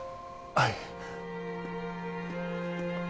はい。